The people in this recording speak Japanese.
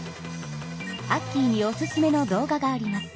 アッキーにおすすめの動画があります。